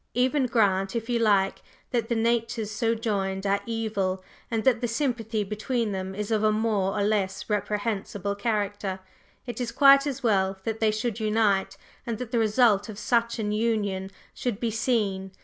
Even grant, if you like, that the natures so joined are evil, and that the sympathy between them is of a more or less reprehensible character, it is quite as well that they should unite, and that the result of such an union should be seen.